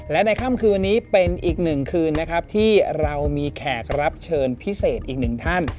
และในค่ำคืนวันนี้เป็นอีกหนึ่งคืนนะครับที่เรามีแขกรับเชิญพิเศษอีกหนึ่งท่าน